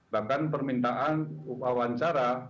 bahkan permintaan wawancara